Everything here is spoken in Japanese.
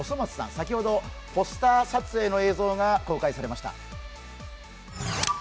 先ほどポスター撮影の映像が公開されました。